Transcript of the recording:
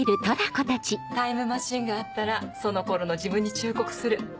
タイムマシンがあったらその頃の自分に忠告する。